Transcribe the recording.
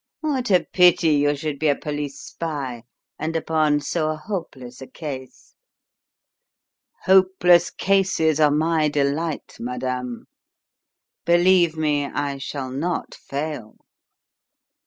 "What a pity you should be a police spy and upon so hopeless a case." "Hopeless cases are my delight, madame. Believe me, I shall not fail."